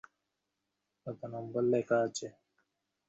কত নম্বর লেখা আছে?